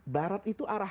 barat itu arah